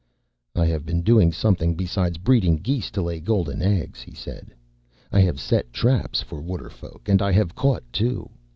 "I have been doing something besides breeding geese to lay golden eggs," he said. "I have set traps for Waterfolk, and I have caught two.